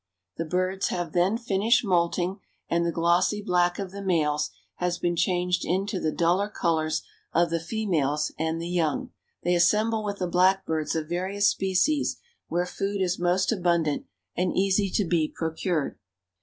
The birds have then finished moulting, and the glossy black of the males has been changed into the duller colors of the females and the young. They assemble with the blackbirds of various species where food is most abundant and easy to be procured.